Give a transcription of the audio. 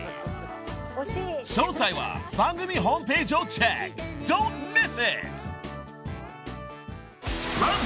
［詳細は番組ホームページをチェック。